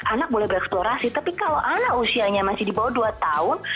anak boleh bereksplorasi tapi kalau anak usianya masih di bawah dua tahun